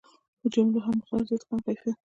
جملو هم مقدار زیات کړ هم کیفیت.